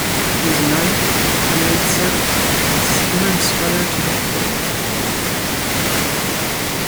His knife, I made certain, had skewered Scudder to the floor.